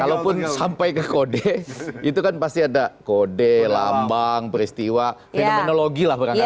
kalaupun sampai ke kode itu kan pasti ada kode lambang peristiwa fenomenologi lah barangkali